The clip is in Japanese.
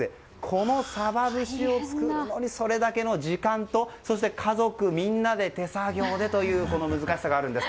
このサバ節を作るのにそれだけの時間とそして家族みんなで手作業でというこの難しさがあるんです。